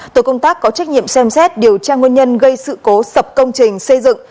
tổ công tác có trách nhiệm xem xét điều tra nguyên nhân gây sự cố sập công trình xây dựng